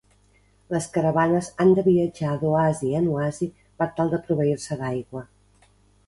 Les caravanes han de viatjar d'oasi en oasi per tal de proveir-se d'aigua.